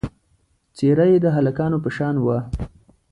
څېره یې د هلکانو په شان وه.